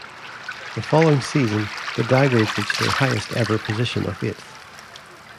The following season, the Daggers reached their highest ever position of eighth.